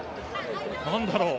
何だろう？